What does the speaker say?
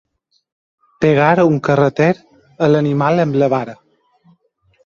Pegar un carreter a l'animal amb la vara.